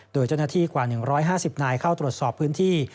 โดยเจ้าหน้าที่กว่า๑๕๐นายเข้าตรวจสอบพื้นที่